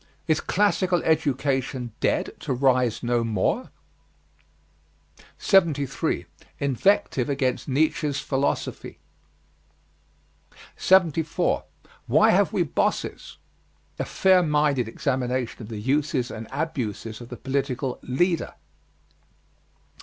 IS CLASSICAL EDUCATION DEAD TO RISE NO MORE? 73. INVECTIVE AGAINST NIETSCHE'S PHILOSOPHY. 74. WHY HAVE WE BOSSES? A fair minded examination of the uses and abuses of the political "leader."